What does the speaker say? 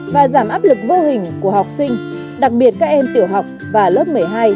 và giảm áp lực vô hình của học sinh đặc biệt các em tiểu học và lớp một mươi hai